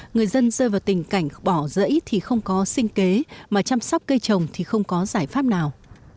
người dân rơi vào tình cảnh bỏ rẫy thì không có sinh kế mà chăm sóc cây trồng thì không có giải pháp nào